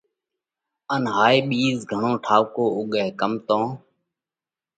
ان هائي ٻِيز گھڻو ٺائُوڪو اُوڳئه ڪم تو